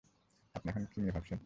আপনি এখন কী নিয়ে ভাবছেন?